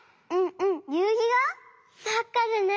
まっかでね。